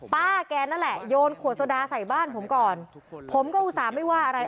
ป้าแกนั่นแหละโยนขวดโซดาใส่บ้านผมก่อนผมก็อุตส่าห์ไม่ว่าอะไร